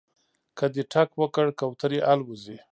که دې ټک وکړ کوترې الوځي